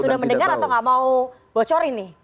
sudah mendengar atau nggak mau bocorin nih